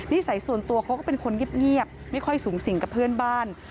สัยส่วนตัวเขาก็เป็นคนเงียบไม่ค่อยสูงสิงกับเพื่อนบ้าน